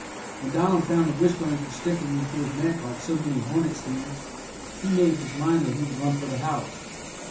When Donald found that the wishbones were sticking into his neck like so many hornet stings, he made up his mind that he would run for the house.